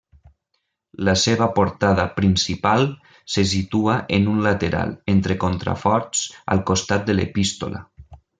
La seva portada principal se situa en un lateral, entre contraforts, al costat de l'Epístola.